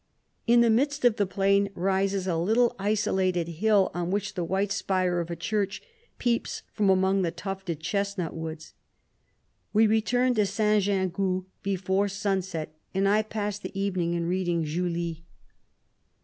In the midst of the plain rises a little isolated hill, on which the white spire of a church peeps from among the tufted chesnut woods. We returned to St. Gingoux before sun set, and I passed the even ing in reading Julie.